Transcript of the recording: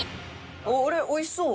あっあれおいしそう。